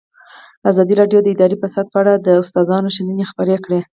ازادي راډیو د اداري فساد په اړه د استادانو شننې خپرې کړي.